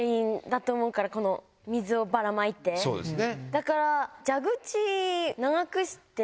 だから。